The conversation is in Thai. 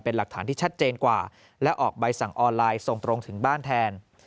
เป็นหลักฐานที่ชัดเจนกว่าและออกใบสั่งออนไลน์ส่งตรงถึงบ้านแทน